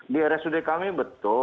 di rsud kami betul